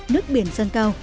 nước biển dâng cao